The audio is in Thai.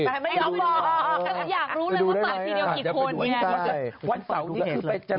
อยากรู้เลยว่าเปิดทีเดียวกี่คนไง